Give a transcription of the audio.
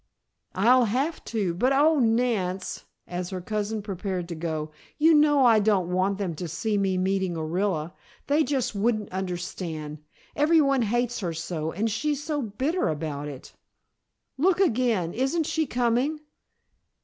"I'll have to. But oh, Nance," as her cousin prepared to go, "you know I don't want them to see me meeting Orilla. They just wouldn't understand. Every one hates her so and she's so bitter about it. Look again. Isn't she coming?"